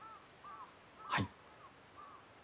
はい。